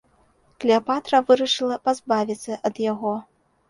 Клеапатра вырашыла пазбавіцца ад яго.